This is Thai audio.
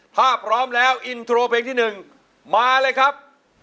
ถ้าพร้อมแล้วอินโทรเพลงที่๑มาเลยครับ